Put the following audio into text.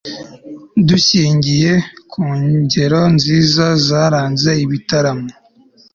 dushyingiye ku ngero nziza zaranze ibitaramo